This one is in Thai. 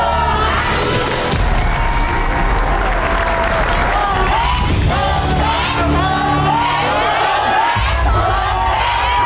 สวัสดีครับสวัสดีครับ